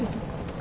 あ。